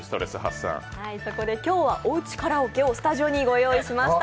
今日は、おうちカラオケをスタジオにご用意しました。